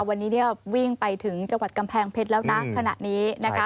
วันนี้เนี่ยวิ่งไปถึงจังหวัดกำแพงเพชรแล้วนะขณะนี้นะคะ